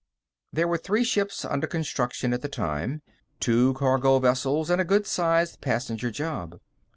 There were three ships under construction at the time: two cargo vessels and a good sized passenger job.